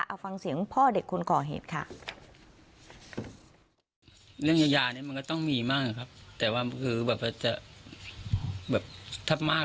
เอาฟังเสียงพ่อเด็กคนก่อเหตุค่ะ